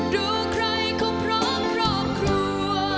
ดูใครเข้าพร้อมครอบครัว